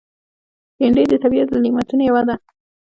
بېنډۍ د طبیعت له نعمتونو یوه ده